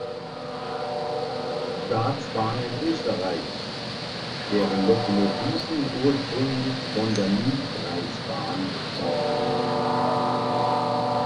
Staatsbahnen Österreichs, deren Lokomotiven ursprünglich von der Mühlkreisbahn stammten.